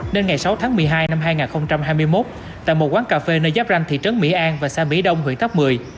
nên ngày sáu tháng một mươi hai năm hai nghìn hai mươi một tại một quán cà phê nơi giáp ranh thị trấn mỹ an và xã mỹ đông huyện tháp một mươi